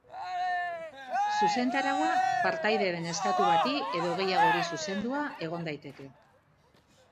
Zuzentaraua, partaide den estatu bati edo gehiagori zuzendua egon daiteke.